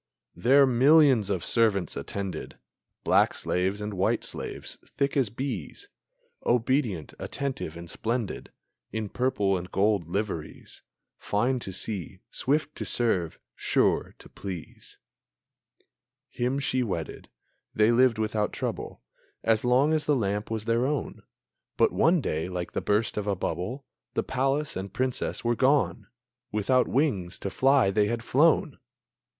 There millions of servants attended, Black slaves and white slaves, thick as bees, Obedient, attentive, and splendid In purple and gold liveries, Fine to see, swift to serve, sure to please! Him she wedded. They lived without trouble As long as the lamp was their own; But one day, like the burst of a bubble, The palace and Princess were gone; Without wings to fly they had flown!